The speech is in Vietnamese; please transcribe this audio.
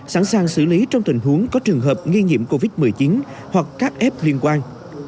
sẵn sàng xử lý trong tình huống có trường hợp nghi nhiễm covid một mươi chín hoặc các f liên quan